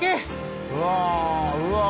うわうわあ